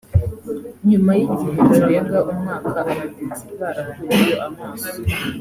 nyuma y’igihe kirenga umwaka abagenzi barakuyeyo amaso